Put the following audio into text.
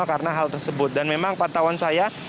karena hal tersebut dan memang pantauan saya